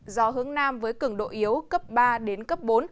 gió hướng nam với cường độ yếu cấp ba đến cấp bốn